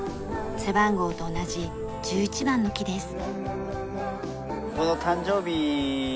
背番号と同じ１１番の木です。